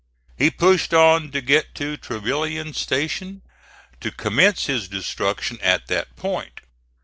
He pushed on to get to Trevilian Station to commence his destruction at that point.